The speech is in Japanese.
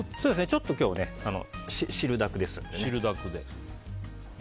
ちょっと今日は汁だくですので。